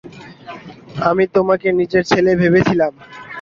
আমি তোমাকে নিজের ছেলে ভেবেছিলাম।